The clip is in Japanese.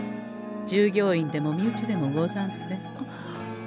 従業員でも身内でもござんせん。